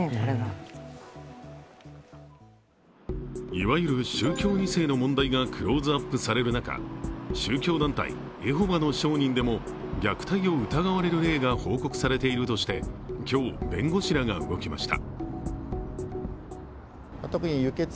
いわゆる宗教２世の問題がクローズアップされる中宗教団体、エホバの証人でも虐待を疑われる例が報告されているとして今日、弁護士らが動きました。